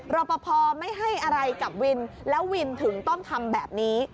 รอปภไม่ให้อะไรกับวินแล้ววินถึงต้องทำแบบนี้